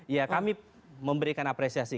ya kami memberikan apresiasi